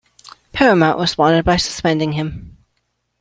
Paramount responded by suspending him.